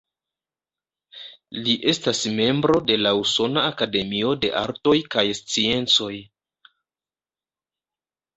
Li estas membro de la Usona Akademio de Artoj kaj Sciencoj.